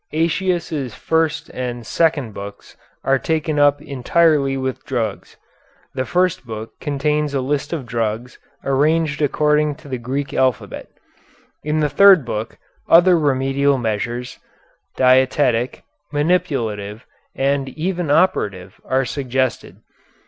Aëtius' first and second books are taken up entirely with drugs. The first book contains a list of drugs arranged according to the Greek alphabet. In the third book other remedial measures, dietetic, manipulative, and even operative, are suggested.